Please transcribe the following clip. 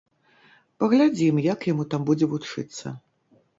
Паглядзім, як яму там будзе вучыцца.